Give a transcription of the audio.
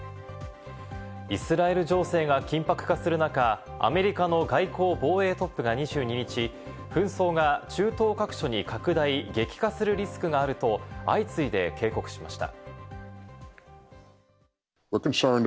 イスラエル情勢が緊迫化する中、アメリカの外交・防衛トップが２２日、紛争が中東各所に拡大、激化するリスクがあると相次いで警告しました。